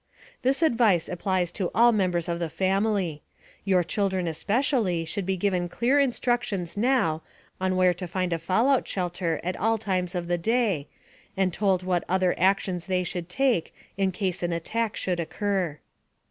This advice applies to all members of the family. Your children especially should be given clear instructions now on where to find a fallout shelter at all times of the day, and told what other actions they should take in case an attack should occur.